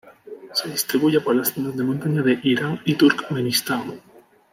Se distribuye por las zonas de montaña de Irán y Turkmenistán.